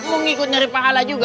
mau ngikut nyari pahala juga